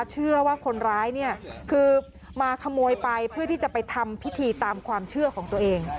เชื่อว่าคนร้ายเนี่ยคือมาขโมยไปเพื่อที่จะไปทำพิธีตามความเชื่อของตัวเอง